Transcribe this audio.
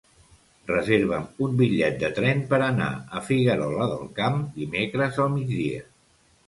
Reserva'm un bitllet de tren per anar a Figuerola del Camp dimecres al migdia.